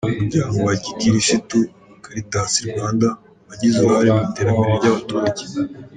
Umuryango wa Gikirisitu Caritas Rwanda: Wagize uruhare mu iterambere ry’abaturage.